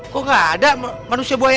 kok gaada manusia buayanya